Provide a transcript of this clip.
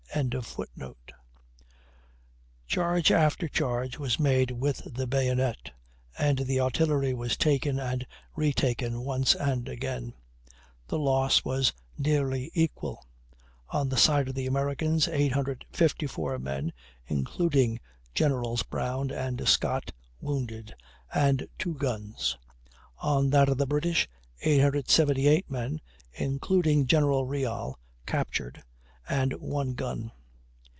"] Charge after charge was made with the bayonet, and the artillery was taken and retaken once and again. The loss was nearly equal; on the side of the Americans, 854 men (including Generals Brown and Scott, wounded) and two guns; on that of the British, 878 men (including General Riall captured) and one gun.